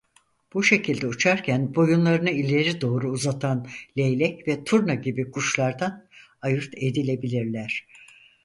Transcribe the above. Bu şekilde uçarken boyunlarını ileri doğru uzatan leylek ve turna gibi kuşlardan ayırt edilebilirler.